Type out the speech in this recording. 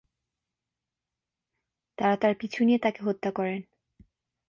তারা তার পিছু নিয়ে তাকে হত্যা করেন।